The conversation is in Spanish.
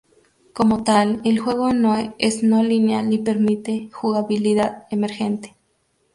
Como tal, el juego es no lineal y permite jugabilidad emergente.